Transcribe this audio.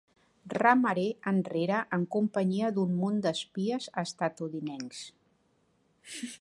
Remaré enrere en companyia d'un munt d'espies estatudinencs.